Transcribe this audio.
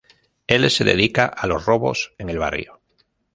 Él se dedica a los robos en el barrio.